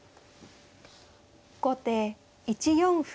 後手１四歩。